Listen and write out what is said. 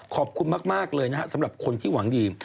ขอบคุณมากเลยนะครับสำหรับคนที่หวังดี